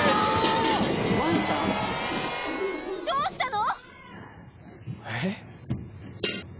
・どうしたの？